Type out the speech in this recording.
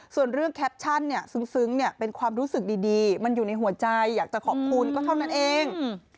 ส่วนเรื่องแคปชั่นเนี่ยซึ้งเนี่ยเป็นความรู้สึกดีมันอยู่ในหัวใจอยากจะขอบคุณก็เท่านั้นเอง